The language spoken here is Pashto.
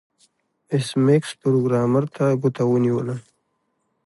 ایس میکس پروګرامر ته ګوته ونیوله